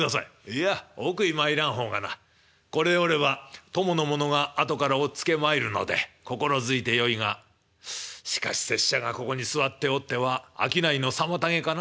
「いや奥に参らん方がなこれおれば供の者が後から追っつけまいるので心付いてよいがしかし拙者がここに座っておっては商いの妨げかな？」。